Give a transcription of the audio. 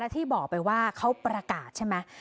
ที่บอกไปว่าเขาประกาศใช่ไหม